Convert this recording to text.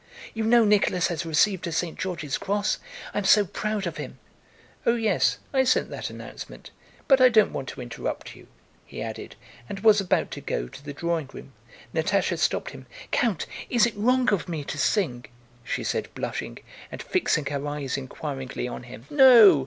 "You know Nicholas has received a St. George's Cross? I am so proud of him." "Oh yes, I sent that announcement. But I don't want to interrupt you," he added, and was about to go to the drawing room. Natásha stopped him. "Count, is it wrong of me to sing?" she said blushing, and fixing her eyes inquiringly on him. "No...